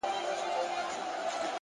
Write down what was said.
لوړ هدفونه اوږده حوصله غواړي,